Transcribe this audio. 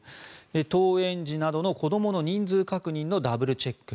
登園時などの子どもの人数確認のダブルチェック